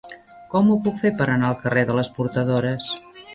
Com ho puc fer per anar al carrer de les Portadores?